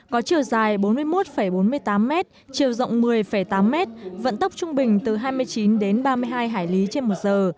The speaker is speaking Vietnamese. có chiều dài bốn mươi một bốn mươi tám m chiều rộng một mươi tám m vận tốc trung bình từ hai mươi chín đến ba mươi hai hải lý trên một giờ